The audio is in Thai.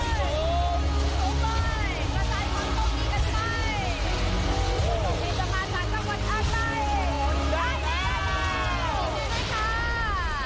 ร้อยเลยร้อยเลยค่ะ